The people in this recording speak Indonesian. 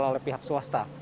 dikolol oleh pihak swasta